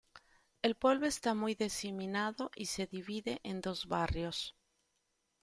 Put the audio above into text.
El pueblo está muy diseminado y se divide en dos barrios.